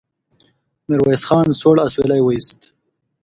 ميرويس خان سوړ اسويلی وايست.